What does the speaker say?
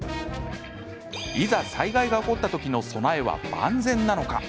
いざ災害が起こった時の備えは万全なのか。